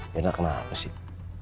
mirna kenapa sih